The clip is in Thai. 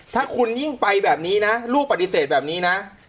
ถ้าคุณยิ่งไปแบบนี้นะลูกปฏิเสธแบบนี้นะ